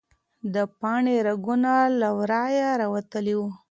د پاڼې رګونه له ورایه راوتلي وو.